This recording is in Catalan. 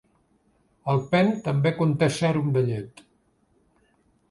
Alpen també conté sèrum de llet.